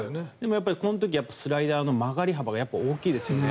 でも、この時スライダーの曲がり幅がすごいですよね。